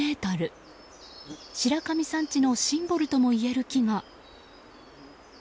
白神山地のシンボルともいえる木が。